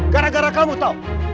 gara gara kamu tau